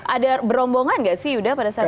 ada berombongan gak sih yuda pada saat itu